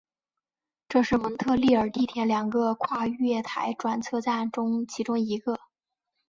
这是蒙特利尔地铁两个跨月台转车站中其中一个。